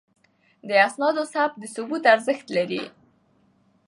د اسنادو ثبت د ثبوت ارزښت لري.